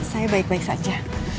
saya baik baik saja